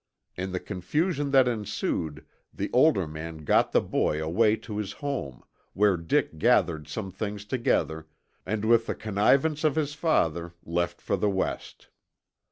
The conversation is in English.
In the confusion that ensued the older man got the boy away to his home, where Dick gathered some things together and with the connivance of his father left for the West.